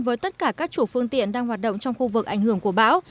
với tất cả các chủ phương tiện đang hoạt động trong khu vực ảnh hưởng của bão